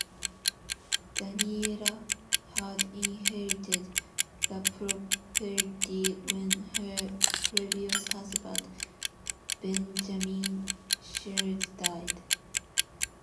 Daniella had inherited the property when her previous husband, Benjamin Sherrod died.